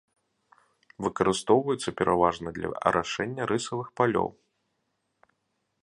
Выкарыстоўваецца пераважна для арашэння рысавых палёў.